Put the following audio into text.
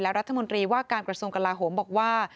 และรัฐมนตรีอวการกระทรงกลาโหมบอกว่า